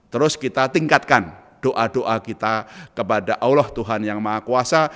terus kita tingkatkan doa doa kita kepada allah tuhan yang maha kuasa